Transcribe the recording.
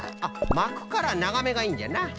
あっまくからながめがいいんじゃな。